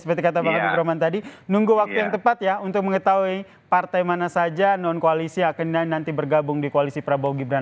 seperti kata bang habib rahman tadi nunggu waktu yang tepat ya untuk mengetahui partai mana saja non koalisi akan nanti bergabung di koalisi prabowo gibran